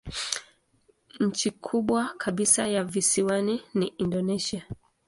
Nchi kubwa kabisa ya visiwani ni Indonesia.